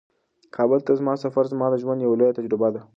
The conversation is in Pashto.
کابل ته زما سفر زما د ژوند یوه لویه تجربه وه.